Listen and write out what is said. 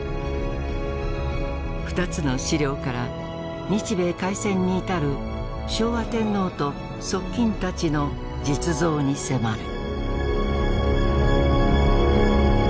２つの資料から日米開戦に至る昭和天皇と側近たちの実像に迫る。